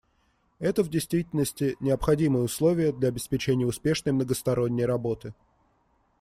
Это, в действительности, — необходимое условие для обеспечения успешной многосторонней работы.